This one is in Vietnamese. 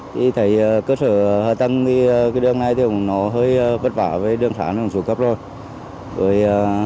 thì thấy cơ sở hợp tăng đi đường này thì nó hơi vất vả với đường xã này xuống khắp rồi